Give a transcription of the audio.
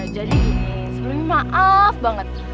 jadi gini sebelum ini maaf banget